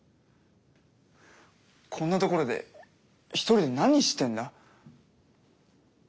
こんな所で一人で何してんだ？